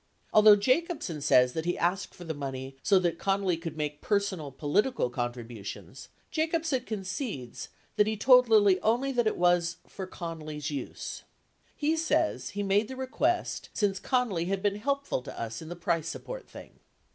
09 Although Jacobsen says that lie asked for the money so that Connally could make personal political contributions, Jacobsen concedes that he told Lilly only that it was "for Connally's use." 70 He says he made the request "since [Con nally] had been helpful to us in the price support thing."